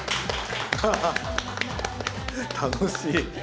楽しい！